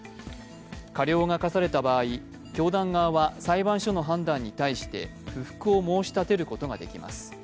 過料が科された場合、教団側は裁判所の判断に対して不服を申し立てることができます。